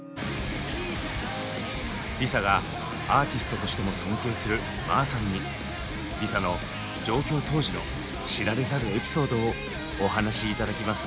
ＬｉＳＡがアーティストとしても尊敬するＭＡＨさんにＬｉＳＡの上京当時の知られざるエピソードをお話し頂きます。